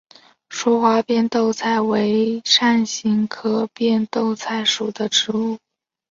疏花变豆菜为伞形科变豆菜属的植物。